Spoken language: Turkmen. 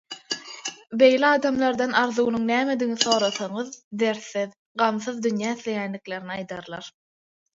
Beýle adamlardan arzuwynyň nämedigini sorasaňyz dertsiz, gamsyz dünýä isleýändiklerini aýdarlar.